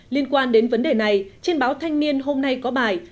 liên quan đến vấn đề này trên báo thanh niên hôm nay có bài